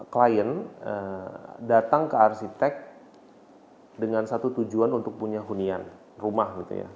klien datang ke arsitek dengan satu tujuan untuk punya hunian rumah gitu ya